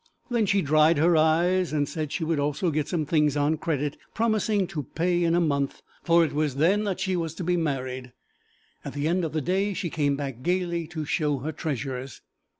Then she dried her eyes, and said she would also get some things on credit, promising to pay in a month, for it was then she was to be married. At the end of the day she came back gaily to show her treasures.